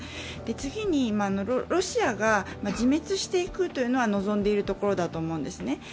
次に、ロシアが自滅していくというのは望んでいるところだと思うんですね。